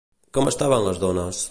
Com estaven les dones?